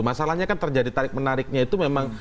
masalahnya kan terjadi tarik menariknya itu memang